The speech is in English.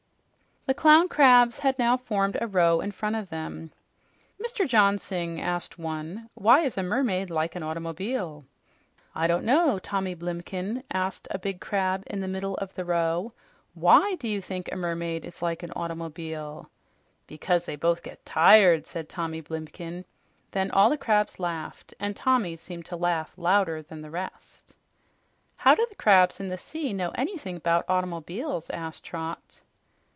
The clown crabs had now formed a row in front of them. "Mr. Johnsing," asked one, "why is a mermaid like an automobile?" "I don't know, Tommy Blimken," answered a big crab in the middle of the row. "WHY do you think a mermaid is like an automobile?" "Because they both get tired," said Tommy Blimken. Then all the crabs laughed, and Tommy seemed to laugh louder than the rest. "How do the crabs in the sea know anything 'bout automobiles?" asked Trot.